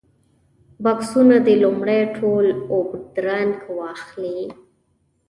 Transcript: بکسونه دې لومړی تول او بورډنګ واخلي.